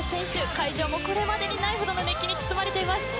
会場もこれまでにないほどの熱気に包まれています。